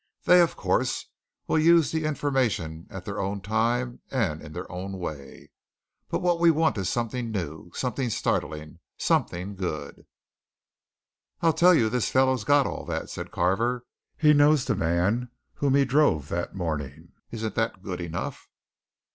They, of course, will use the information at their own time and in their own way. But what we want is something new something startling something good!" "I tell you the fellow's got all that," said Carver. "He knows the man whom he drove that morning. Isn't that good enough?"